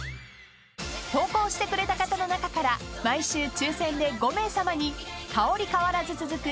［投稿してくれた方の中から毎週抽選で５名さまに香り変わらず続く